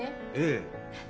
ええ。